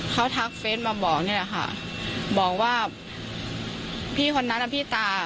เขาทักเฟสมาบอกนี่แหละค่ะบอกว่าพี่คนนั้นอ่ะพี่ตา